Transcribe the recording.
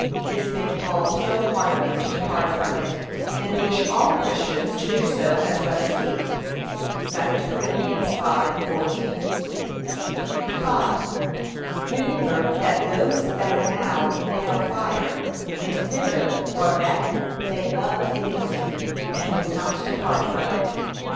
This made Paul so heartily to depart from it, and wish all Christians to do so as well as he. (2 Cor. 5:14) 5. Remember that those that are now in hell fire went thither for that they loved iniquity, and would not depart from it.